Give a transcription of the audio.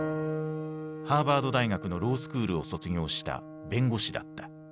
ハーバード大学のロースクールを卒業した弁護士だった。